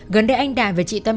gần đây anh đại và chị tâm